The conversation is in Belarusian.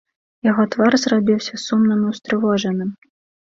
Яго твар зрабіўся сумным і ўстрывожаным.